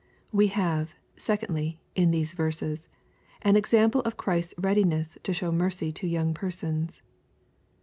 We have, secondly, in these verses, an eccample of Christ s readiness to show mercy to young persons.